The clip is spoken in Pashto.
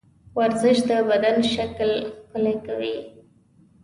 ورزش د بدن شکل ښکلی کوي.